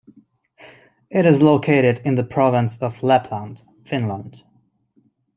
It is located in the province of Lapland, Finland.